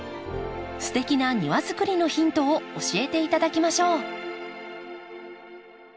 すてきな庭づくりのヒントを教えていただきましょう。